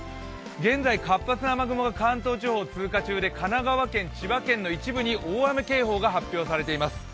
現在活発な雨雲が関東地方を通過中で神奈川県、千葉県の一部に大雨警報が発表されています。